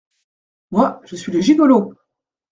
Moi, je suis le gigolo !